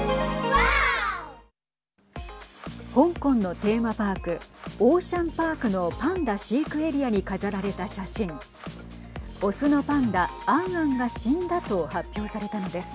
香港のテーマパークオーシャンパークのパンダ飼育エリアに飾られた写真オスのパンダアンアンが死んだと発表されたのです。